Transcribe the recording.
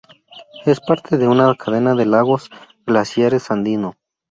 Es parte de una cadena de lagos glaciares andinos.